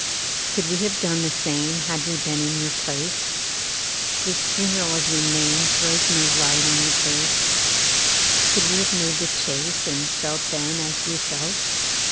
1691 Could we have done the same, Had we been in your place ?— This funeral of your name Throws no light on the case. — Could we have made the chase. And felt then as you felt?